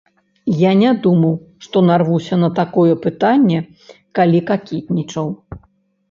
Я не думаў, што нарвуся на такое пытанне, калі какетнічаў.